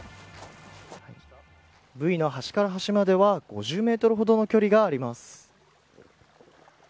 ブイの端から端までは５０メートルほどの距離があります。